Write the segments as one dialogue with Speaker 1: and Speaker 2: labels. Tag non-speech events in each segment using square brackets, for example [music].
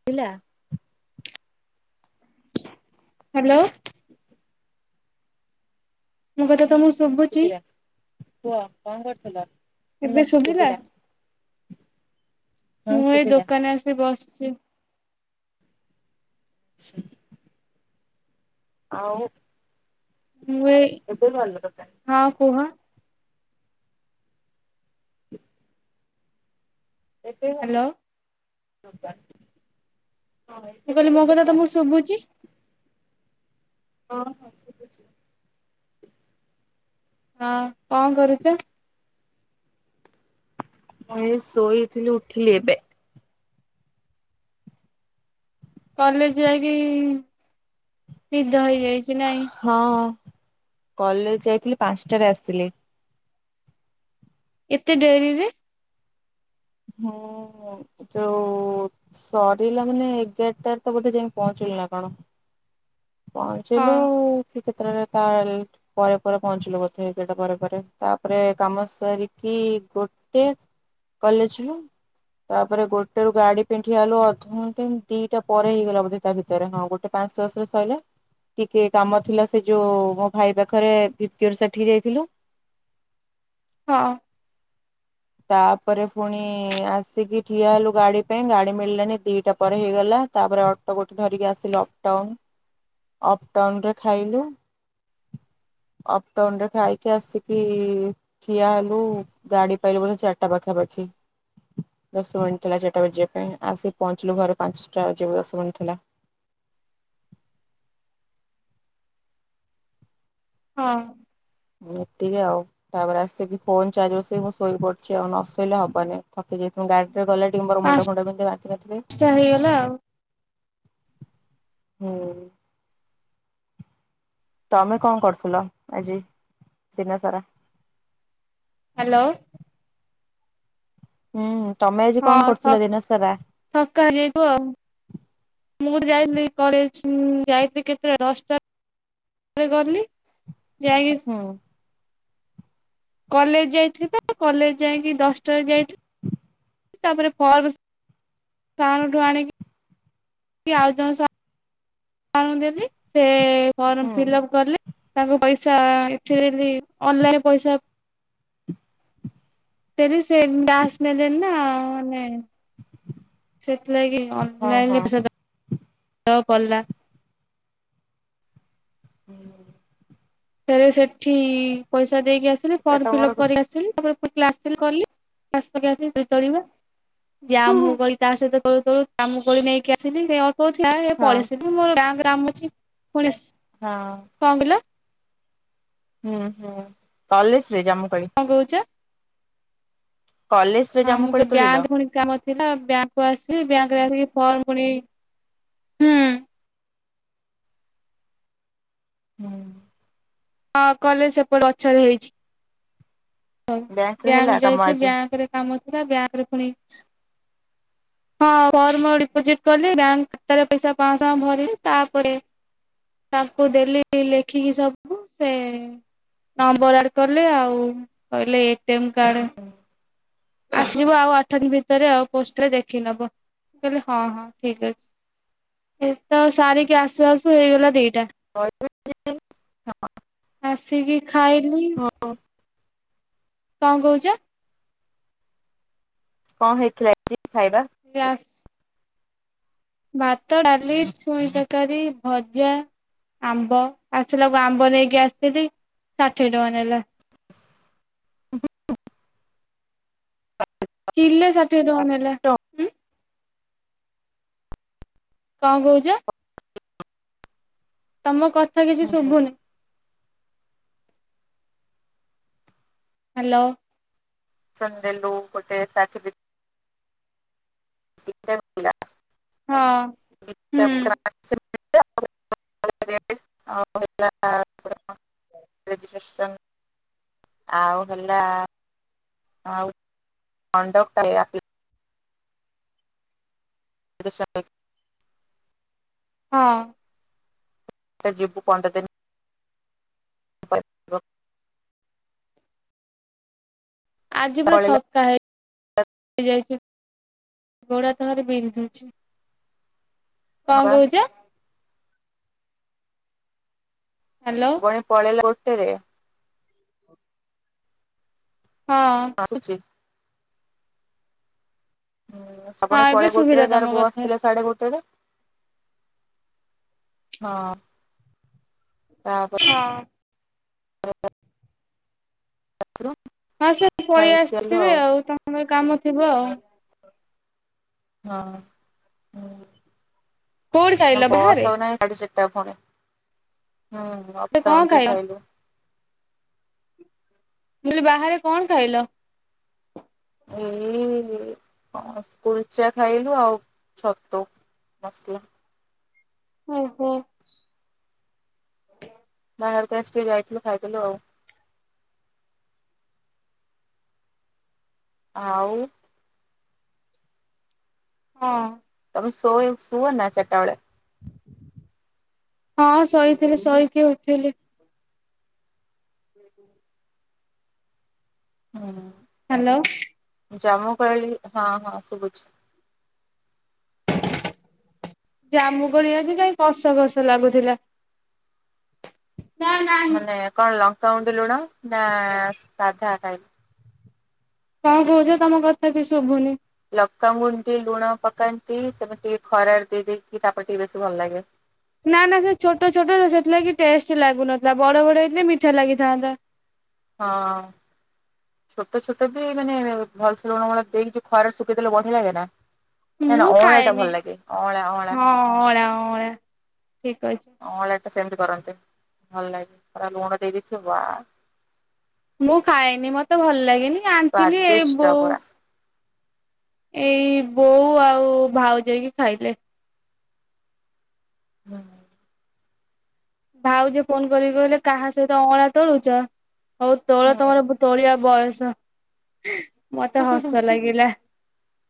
Speaker 1: ଶୁଭିଲା?
Speaker 2: ହ୍ୟାଲୋ। ମୋ କଥା
Speaker 1: ହୁଁ
Speaker 2: ତମକୁ
Speaker 1: ହୁଁ
Speaker 2: ଶୁଭୁଛି
Speaker 1: ଶୁଭିଲା କୁହ କଣ କରିଥିଲ?
Speaker 2: ଏବେ ଶୁଭିଲା?
Speaker 1: ହଁ
Speaker 2: ମୁଁ ଏଇ
Speaker 1: ଶୁଭିଲା
Speaker 2: ଦୋକାନରେ ଆସି ବସ ସି
Speaker 1: ଛି। ଆଉ?
Speaker 2: ମୁ ଏଇ
Speaker 1: ଏବେ ଭଲ ଦୋକାନ
Speaker 2: ହଁ କୁହ?
Speaker 1: ଏବେ
Speaker 2: ହ୍ୟାଲୋ
Speaker 1: ହଁ
Speaker 2: ମୁ
Speaker 1: ଏବେ
Speaker 2: କହିଲି
Speaker 1: ଭଲ
Speaker 2: ମୋ କଥା
Speaker 1: ଦୋକାନ
Speaker 2: ତମକୁ ଶୁଭୁଛି?
Speaker 1: ହଁ ହଁ ଶୁଭୁଛି।
Speaker 2: ହଁ କଣ କରୁଛ?
Speaker 1: ମୁଁ ଶୋଇଥିଲି ଉଠିଲି ଏବେ।
Speaker 2: କଲେଜ ଯାଇକି ନିଦ ହେଇଯାଇଛି ନାଇଁ?
Speaker 1: ହଁ କଲେଜ ଯାଇଥିଲି ପାଞ୍ଚଟାରେ ଆସିଥିଲି।
Speaker 2: ଏତେ ଡେରିରେ?
Speaker 1: ହୁଁ ଯୋଉ ସରିଲା ମାନେ ଏଗାରଟାରେ ତ ବୋଧେ ଯାଇକି ପହଞ୍ଚ ନା କଣ
Speaker 2: ହଁ
Speaker 1: ପହଞ୍ଚିଲୁ କ୍ଷେତ୍ରରେ ତା ପରେ ପରେ ପହଞ୍ଚିଲୁ ବୋଧେ ସେଟା ପରେ ପରେ ତାପରେ କାମ ସାରିକି ଏ ଗୋଟେ କଲେଜ ରୁ ତାପରେ ଗୋଟେ ରୁ ଗାଡି ପାଇଁ ଠିଆ ହେଲୁ ଅଧଘଣ୍ଟା ଦିଟା ପରେ ହେଇଗଲା ବୋଧେ ତା ଭିତରେ ହଁ ଗୋଟେ ପା ଆସୁ ଆସୁ ସଇଲେ ଟିକେ କାମ ଥିଲା ସେ ଯୋଉ ମୋ ଭାଇ ପାଖରେ ଭିପ୍ କେୟାର ସେଠିକ ଯାଇଥିଲୁ।
Speaker 2: ହଁ।
Speaker 1: ତାପରେ ପୁଣି ଆସିକି ଠିଆ ହେଲୁ ଗାଡି ପାଇଁ ଗାଡି ମିଳିଲାନି ଦିଟା ପରେ ହେଇଗଲା। ତାପରେ ଅଟୋ ଗୋଟେ ଧରିକି ଆସିଲୁ ଅପ୍ ଟାଉନ ଅପ ଟାଉନରେ ଖାଇଲୁ। ଅପ ଟାଉନ ରେ ଖାଇକି ଆସିକି ଠିଆ ହେଲୁ ଗାଡି ପାଇଲେ ବୋଧ ଚାରିଟା ପାଖାପାଖି ଦଶ ମିନିଟ୍ ଥିଲା ଚାରିଟା ବଜିବା ପାଇଁ ଆସିକି ପହଞ୍ଚିଲୁ ଘରେ ପାଞ୍ଚଟା ବଜିବାକୁ ଦଶ ମିନିଟ୍ ଥିଲା।
Speaker 2: ହଁ।
Speaker 1: ଏତିକି ଆଉ ତାପରେ ଆସିକି ଫୋନ ଚାର୍ଜ ବସିକି ମୁ ଶୋଇ ପଡଛି ଆଉ ନସୋଇଲେ ହବନି। ଖ୍ ତିକି ଯାଇ ଗାଡିରେ ଗଲେ ଟିକେ ମୋର ମୁଣ୍ଡ
Speaker 2: ପାଞ୍ଚଟା
Speaker 1: ଫୁଣ୍ଡ ବିନ୍ଧେ ବାନ୍ତି ଫାନ୍ତି ହୁଏ।
Speaker 2: ହେଇଗଲା ଆଉ
Speaker 1: ହୁଁ। ତମେ କଣ କରୁଥିଲ ଆଜି ଦିନ ସାରା?
Speaker 2: ହ୍ୟାଲୋ।
Speaker 1: ହୁଁ। ତମେ ଆଜି
Speaker 2: ହଁ
Speaker 1: କଣ
Speaker 2: ଥ
Speaker 1: କରୁଥିଲ ଦିନ ସାରା?
Speaker 2: ଥକା ହେ ଯାଇଥିବ ଆଉ ମୁଁ ମୋର ଯାଇଥିଲି କଲେଜ ଯାଇଥିଲି କେତେଟାଳେ ଦଶଟା ରେ ଗଲୀ ଯାଇକି
Speaker 1: ହୁଁ
Speaker 2: କଲେଜ ଯାଇଥିବା କଲେଜ ଯାଇକି ଦଶଟାରେ ଯାଇଥି ତାପରେ ର୍ଫବସ ସାର ଙ୍କୁଠୁ ଆଣିକି ଆଉ ଜଣେ ସାର ସାରଙ୍କୁ ଦେଅନ୍ତି ସେ ର୍ଫମ
Speaker 1: ହୁଁ
Speaker 2: ଫିଲପ କଲେ। ତାଙ୍କୁ ପଇସା ଏଥିରେ ବି ଅନଲାଇନ ପଇସା ତେରି ସେ ଦାସ ନେଲେ ନା, ମାନେ ସେଥିଲାଗି
Speaker 1: ହଁ ହଁ
Speaker 2: ଅନଲାଇନ [unintelligible] ପଲା।
Speaker 1: ହୁଁ
Speaker 2: ଫରେ ସେଠି ପଇସା ଦେଇକି ଆସିଲି ଫର୍ମ
Speaker 1: ଏଟା
Speaker 2: ଫିଲ
Speaker 1: ମୋର
Speaker 2: ଅପ
Speaker 1: ହଁ
Speaker 2: କରି ଆସିଲି ତାପରେ କ୍ଲାସ୍ କଲି କ୍ଲାସ୍ ଆସ ତୋଳିବା ଯାହା ମୁଁ କଲି ତା ସହିତ ତୋଳୁ ତୋଳୁ ଜାମୁକୋଳି ନେଇକି ଆସିଲି ସେ ଅଳ୍ପ ଥିଲା ହେ ପଳି
Speaker 1: ହଁ
Speaker 2: ଆସିଲି ମୋର ବ୍ୟାଙ୍କ୍ କାମ ଅଛି। ଫୁଣିସ
Speaker 1: ହଁ
Speaker 2: କଣ କିଲୋ?
Speaker 1: ହୁଁ, ହୁଁ କଲେଜରେ ଜାମୁ
Speaker 2: କଣ କହୁଛ?
Speaker 1: କଲେଜରେ
Speaker 2: ହଁ,
Speaker 1: ଜାମୁକୋଳି
Speaker 2: ମୁଁ
Speaker 1: ତୋଳିଲ
Speaker 2: ବ୍ୟାଙ୍କ ପୁଣି କାମ ଥିଲା ବ୍ୟାଙ୍କକୁ ଆସି ବ୍ୟାଙ୍କ [unintelligible] ଫର୍ମ ପୁଣି ହୁଁ
Speaker 1: ହୁଁ।
Speaker 2: ହଁ, କଲେଜ ସେପଟ ଗଛରେ ହେଇଛି। ହଉ
Speaker 1: ବ୍ୟାଙ୍କରେ ହେଲା
Speaker 2: ବ୍ୟାଙ୍କ
Speaker 1: କାମ
Speaker 2: ଯାଇଥିଲି
Speaker 1: ଆଜି।
Speaker 2: ବ୍ୟାଙ୍କରେ କାମ ଥିଲା ବ୍ୟାଙ୍କରେ ପୁଣି ହଁ, ଫର୍ମ ଡିପୋଜିଟ କଲି ବ୍ୟାଙ୍କ ଖାତାରେ ପଇସା ପାଂଶହ ଟଙ୍କା ଭରିଲି ତାପରେ ତାଙ୍କୁ ଦେଲି ଲେଖିକି ସବୁ ସେ ନମ୍ବର ଆର୍ଡ କଲେ ଆଉ କହିଲେ ଏଟିଏମ୍ କାର୍ଡ ଆସିବ ଆଉ ଆଠ ଦିନ ଭିତରେ ଆଉ ପୋଷ୍ଟରେ ଦେଖି ନବ। କହିଲେ ହଁ, ହଁ ଠିକ୍ ଅଛି। ଏଇତ ସାରିକି ଆସୁ ଆସୁ ହେଇଗଲା ଦି ଟା ଆସିକି ଖାଇଲି କଣ କହୁଛ?
Speaker 1: କଣ ହେଇଥିଲା ଆଜି? ଖାଇବା?
Speaker 2: କ୍ଲାସ୍ ଭାତ, ଡାଲି, ଛୁଇଁ ତରକାରୀ, ଭଜା ଆମ୍ବ ଆସିଲାକୁ ଆମ୍ବ ନେଇକି ଆସିଥିଲି ଷାଠିଏ ଟଙ୍କା ନେଲା।
Speaker 1: ହୁ
Speaker 2: କିଲେ ଷାଠିଏ ଟଙ୍କା ନେଲା ହୁଁ। କଣ କହୁଛ? ତମ କଥା କିଛି ଶୁଭୁନି। ହ୍ୟାଲୋ।
Speaker 1: ସନ୍ଦେଲୁ ଗୋଟେ ସାଠିବି ଟିକ ଟାକ ପିଲା।
Speaker 2: ହଁ ହୁଁ।
Speaker 1: [unintelligible] ରେଜିଷ୍ଟ୍ରେସନ। ଆଉ ହେଲା ଆଉ କଣ୍ଡକ ଆପ୍ଲି [unintelligible]
Speaker 2: ହଁ।
Speaker 1: ତ ଯିବୁ ପନ୍ଦର୍ ଦିନ [unintelligible]
Speaker 2: ଆଜି ପୁରା
Speaker 1: ପଳେଇଲା
Speaker 2: ଥକା ହେଇ ହେଇ ଯାଇଛି ଗୋଡ଼ ହାତ ଭାରି ବିନ୍ଧୁଛି।
Speaker 1: ହଁ
Speaker 2: କଣ
Speaker 1: ବା
Speaker 2: କହୁଛ? ହ୍ୟାଲୋ
Speaker 1: ବଣୀ ପଳେଇଲେ ଗୋଟେରେ।
Speaker 2: ହଁ
Speaker 1: ରଖୁଛି। ହୁଁ
Speaker 2: ହଁ
Speaker 1: ଶ୍ରାବଣୀ
Speaker 2: ଏବେ
Speaker 1: ପଳଇବ
Speaker 2: ଶୁଭିଲା
Speaker 1: କହୁଥିଲା
Speaker 2: ତମ
Speaker 1: ତାର ବସ୍
Speaker 2: କଥା।
Speaker 1: ଥିଲା ସାଢେ ଗୋଟେରେ ହଁ। ତାପରେ
Speaker 2: ହଁ।
Speaker 1: [unintelligible]
Speaker 2: ହଁ ସେ ପଳେଇ
Speaker 1: ଖାଇକି ଆଇଲୁ
Speaker 2: ଆସିଥିବେ ଆଉ ତାଙ୍କର କାମ ଥିବ ଆଉ
Speaker 1: ହଁ
Speaker 2: କୋଉଠି ଖାଇଲ
Speaker 1: ସେ ବସ୍
Speaker 2: ବାହାରେ?
Speaker 1: ନାହିଁ [inaudible] ଦ ଫୁଣି ହୁଁ
Speaker 2: କଣ
Speaker 1: ଲକଡାଉନ ରେ
Speaker 2: ଖାଇଲ?
Speaker 1: ଖାଇଲୁ।
Speaker 2: ମୁଁ କହିଲି ବାହାରେ କଣ ଖାଇଲ।
Speaker 1: [inaudible] ହଁ ତୁଳଚ୍ଛା ଖାଇଲୁ ଆଉ ଛତୁ ମସଲା।
Speaker 2: ଓ ହୋ
Speaker 1: [inaudible] ଟିକେ ଯାଇଥିଲୁ ଖାଇଥିଲୁ ଆଉ। ଆଉ
Speaker 2: ହଁ।
Speaker 1: ଆଉ ଶୋଇ ଶୁଅନା ଚାରିଟା ବେଳେ।
Speaker 2: ହଁ ଶୋଇଥିଲି ଶୋଇକି ଉଠିଲି।
Speaker 1: ହୁଁ।
Speaker 2: ହ୍ୟାଲୋ।
Speaker 1: ଜାମୁ କୋଳି ହଁ ହଁ ଶୁଭୁଛି।
Speaker 2: ଜାମୁ କୋଳି ଆଜି କାଇ କସ କସ ଲାଗୁଥିଲା। ନା ନାହିଁ।
Speaker 1: ମାନେ କଣ ଲଙ୍କା ଗୁଣ୍ଡ ଲୁଣ ନା ସାଧା ଖାଇ
Speaker 2: କଣ କହୁଛ ତମ କଥା କିଛି ଶୁଭୁନି।
Speaker 1: ପକା ହୁଅନ୍ତି ଲୁଣ ପକାନ୍ତି ସେମତି ଟିକେ ଖରାରେ ଦେଇ ଦେଇକି ତାପରେ ଟିକେ ବେସି ଭଲ ଲାଗେ।
Speaker 2: ନା ନା ସେ ଛୋଟ ଛୋଟ ସେଥିଲାଗି ଟେଷ୍ଟ ଲାଗୁନଥିଲା ବଡ ବଡ ହୋଇଥିଲେ ମିଠା ଲାଗିଥାନ୍ତା।
Speaker 1: ହଁ। ଛୋଟ ଛୋଟ ବି ମାନେ ଭଲ ସେ ଲୁଣ ଫୁଣ ଦେଇକି ଖରାରେ ଶୁଖେଇ ଦେଲେ ବଢିଆ ଲାଗେ ନା। ନା ନା
Speaker 2: ମୁଁ
Speaker 1: ଅଁଳା ଟା
Speaker 2: ଖାଏନି
Speaker 1: ଭଲ ଲାଗେ ଅଁଳା ଅଁଳା।
Speaker 2: ହଁ ଅଁଳା ଅଁଳା ଠିକ କହିଛ।
Speaker 1: ଅଁଳାଟା ସେମିତି କରନ୍ତି ଭଲ ଲାଗେ ପରା ଲୁଣ ଦେଇ ଦେଇଥିବ ବା।
Speaker 2: ମୁଁ ଖାଇନି ମତେ ଭଲ ଲାଗେନି ଆାଣିଥିଲି ଏ
Speaker 1: ସ୍ଵାଦିଷ୍ଟ
Speaker 2: ବୋଉ
Speaker 1: ପୁରା।
Speaker 2: ଏଇ ବୋଉ ଆଉ ଭାଉଜ ହେଇକି ଖାଇଲେ।
Speaker 1: ହୁଁ।
Speaker 2: ଭାଉଜ ଫୋନ କରିକି କହିଲେ କାହା ସହିତ ଅଁଳା ତୋଳୁଛ। ହଉ
Speaker 1: ହୁଁ
Speaker 2: ତୋଳ ତମର ତୋଳିବା ବୟସ ମତେ ହସ ଲାଗିଲା।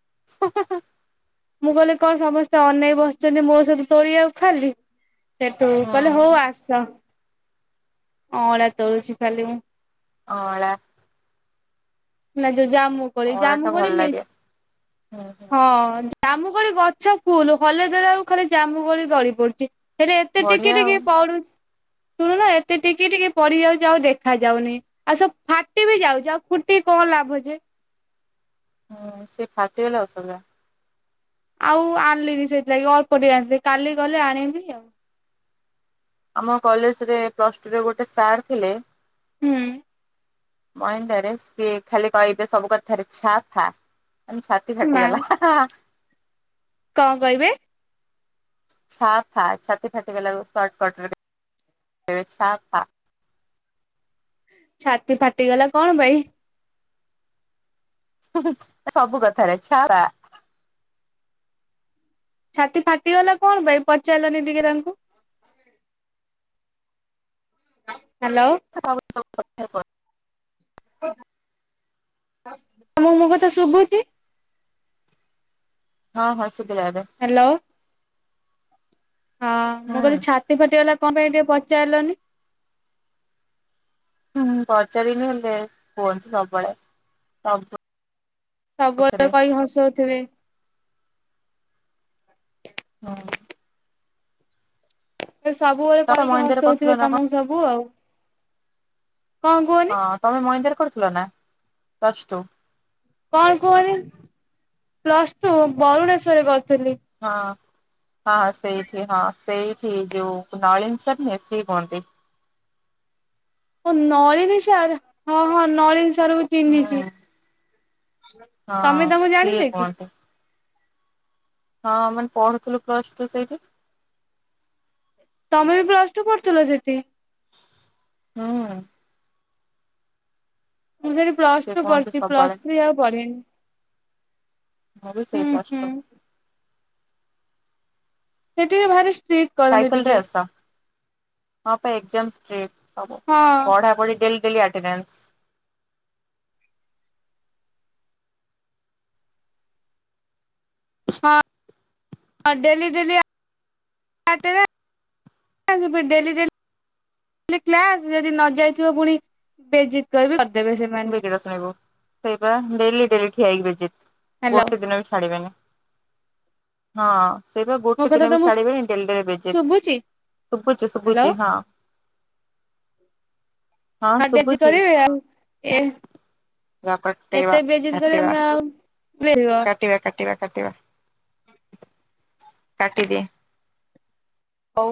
Speaker 1: [unintelligible]
Speaker 2: ମୁଁ କହିଲି କଣ ସମସ୍ତେ ଅନେଇ ବସିଛନ୍ତି ମୋ ସହିତ ତୋଳିବାକୁ ଖାଲି ସେଠୁ ପ କହିଲେ ହଉ
Speaker 1: ହୁଁ
Speaker 2: ଆସ ଅଁଳା ତଳୁଛି ଖାଲି ମୁଁ।
Speaker 1: ଅଁଳା।
Speaker 2: ନା ଯୋଉ ଜାମୁ କୋଳି
Speaker 1: ଅଁଳା
Speaker 2: ଜାମୁ
Speaker 1: ଟା ଭଲ
Speaker 2: କୋଳି ମି
Speaker 1: ଲାଗେ। ହୁଁ ହୁଁ
Speaker 2: ହଁ। ଜାମୁ କୋଳି ଗଛ ଫୁଲ ହଲେଇ ଦେଲା ବେଳକୁ ଖାଲି ଜାମୁ କୋଳି ଗଳି ପଡୁଛି ହେଲେ ଏତେ ଟି ଟିକି
Speaker 1: ବଢିଆ ଆଉ
Speaker 2: ଟିକି ପଡୁଚି।
Speaker 1: [inaudible]
Speaker 2: ନୁହଁ ଏତେ ଟିକି ଟିକି ପଡିଯାଉଛି ଆଉ ଦେଖା ଯାଉନି ଆଉ ସବୁ ଫାଟି ବି ଯାଉଛି ଆଉ ଫୁଟି କଣ ଲାଭ ଯେ। ଯେ।
Speaker 1: ହଁ ସେ ଫାଟିଗଲେ ଅସନା।
Speaker 2: ଆଉ ଆଣିଲିନି ସେଇଥିଲାଗି ଅଳ୍ପ ଟିକେ ଆଣିଥିଲି କାଲି ଗଲେ ଆଣିବି ଆଉ।
Speaker 1: ଆମ କଲେଜରେ ପ୍ଲଷ୍ଟଟୁ ଗୋଟେ ସାର୍ ଥିଲେ
Speaker 2: ହୁଁ।
Speaker 1: ମଇଣ୍ଡରେ ସିଏ ଖାଲି କହିବେ ସବୁ କଥାରେ ଛା ଫା। ଆମ ଛାତି ଫାଟି
Speaker 2: ମା
Speaker 1: ଗଲା ହାଁ ହାଁ।
Speaker 2: କଣ କହିବେ।
Speaker 1: ଛା ଫା ଛାତି ଫାଟିଗଲା ସଟ କଟ ଏ ଛାଫା।
Speaker 2: ଛାତି ଫାଟିଗଲା କଣ ପାଇଁ?
Speaker 1: ହୁଁ ସବୁ କଥାରେ ଛଡା
Speaker 2: ଛାତି ଫାଟିଗଲା କଣ ପାଇଁ ପଚାରିଲନି ଟିକେ ତାଙ୍କୁ? ହାଲୋ।
Speaker 1: [inaudible]
Speaker 2: ତମକୁ ମୋ କଥା ଶୁଭୁଚି?
Speaker 1: ହଁ ହଁ ସୁବିଲା ଏବେ।
Speaker 2: ହ୍ୟାଲୋ ହଁ ମୁଁ
Speaker 1: ହୁଁ
Speaker 2: କହିଲି ଛାତି ଫାଟିଗଲା କଣ ପାଇଁ ଟିକେ ପଚାରିଲନି?
Speaker 1: ହୁଁ ପଚାରିନି ହେଲେ କୁହନ୍ତି ସବୁବେଳେ ସବୁ
Speaker 2: ସବୁବେଳେ କହି ହସଉଥିବେ।
Speaker 1: ହଁ।
Speaker 2: ସବୁବେଳେ
Speaker 1: ତମେ
Speaker 2: କହିକି
Speaker 1: ମହିନ୍ଦାରେ କରୁଥିଲ
Speaker 2: ହସଉଥିବେ
Speaker 1: ନା କଣ
Speaker 2: ତମକୁ ସବୁ ଆଉ। କଣ କୁହନି
Speaker 1: ହଁ ତମେ ମହିନ୍ଦାରେ କରିଥିଲନା ପ୍ଳସଟୁ।
Speaker 2: କଣ କୁହନି ପ୍ଲସଟୁ ବରୁଣେଶ୍ଵର
Speaker 1: ହଁ। ହଁ ସେଇଠି ହଁ ସେଇଠି ଯେଉଁ ନଳିନ ସିର ନୁହେଁ ସିଏ କୁହନ୍ତି।
Speaker 2: ନଳିନି ସାର ହଁ ହଁ ନଳିନି ସାର ମୁ ଚିହ୍ନିଚି।
Speaker 1: ହୁଁ
Speaker 2: ତମେ
Speaker 1: ହଁ
Speaker 2: ତାଙ୍କୁ
Speaker 1: ସିଏ
Speaker 2: ଜାଣିଚ କି?
Speaker 1: କୁହନ୍ତି ହଁ ମାନେ ପଢୁଥିଲୁ ପ୍ଲସ ଟୁ ସେଇଠି।
Speaker 2: ତମେ ବି ପ୍ଲସ ଟୁ ପଢୁଥିଲ ସେଠି?
Speaker 1: ହୁଁ।
Speaker 2: ମୁଁ ସେଠି ପ୍ଲସ
Speaker 1: ସିଏ
Speaker 2: ଟୁ
Speaker 1: କୁହନ୍ତି
Speaker 2: ପଢଛି
Speaker 1: ସବୁବେଳେ
Speaker 2: ପ୍ଲସ ଥ୍ରୀ ପଢିମିନି।
Speaker 1: ମୁଁ ବି ସେଇ
Speaker 2: ହୁଁ
Speaker 1: ପ୍ଲସଟୁ।
Speaker 2: ସେ ଟିକେ ଭାରି ଷ୍ଟ୍ରିଟ କରନ୍ତି
Speaker 1: ସାଇକେଲ
Speaker 2: ଟିକେ।
Speaker 1: ରେ ଆସ ହଁ ପା ଏଗ୍ଜାମ ଷ୍ଟ୍ରିଟ୍ ସବୁ
Speaker 2: ହଁ
Speaker 1: ପଢାପଢି ଡେଲି ଡେଲି ଆଟନାସ୍
Speaker 2: ହଁ daily daily at [unintelligible] daily daily class ଯଦି ନ ଯାଇଥିବ ପୁଣି ବେଜିତ କରିବେ
Speaker 1: ବିଗିଡି ଶୁଣିବୁ ସେଇପା ଡେଲି ଡେଲି ଠିଆ ହେଇକି ବେଜିତ୍
Speaker 2: ହ୍ୟାଲୋ
Speaker 1: ଗୋଟେ ଦିନ ବି ଛାଡିବେନି। ହଁ। ସେଇପା
Speaker 2: ମୋ
Speaker 1: ଗୋଟେ ଦିନ
Speaker 2: କଥା
Speaker 1: ବି
Speaker 2: ତମକୁ
Speaker 1: ଛାଡିବେନି ଡେଲି ଡେଲି ବେଜିତ୍
Speaker 2: ଶୁଭୁଛି
Speaker 1: ଶୁଭୁଚି ଶୁଭୁଚି
Speaker 2: ହ୍ୟାଲୋ
Speaker 1: ହଁ। ହଁ
Speaker 2: [unintelligible]
Speaker 1: ଶୁଭୁଛି
Speaker 2: କରିବେ ଆଉ ଏ
Speaker 1: କଟେଇବା
Speaker 2: ଏତେ ବଜିତ କରିବେ
Speaker 1: କାଟିବା
Speaker 2: ଆମେ ଆଉ
Speaker 1: କାଟିବା
Speaker 2: [unintelligible]
Speaker 1: କାଟିବା କାଟିବା କାଟିଦିଏ।
Speaker 2: ହଉ